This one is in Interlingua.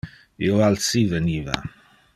Io alsi veniva.